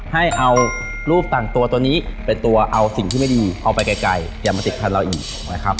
ให้เอารูปต่างตัวตัวนี้เป็นตัวเอาสิ่งที่ไม่ดีเอาไปไกลอย่ามาติดพันธุ์เราอีกนะครับ